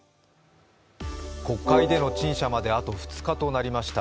国会での陳謝まであと２日となりました。